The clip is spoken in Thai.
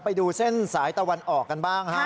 ไปดูเส้นสายตะวันออกกันบ้างฮะ